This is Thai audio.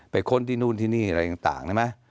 ไปค้นที่นู่นที่นี่อะไรต่างนะฮะ